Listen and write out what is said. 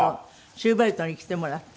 シューベルトに来てもらって。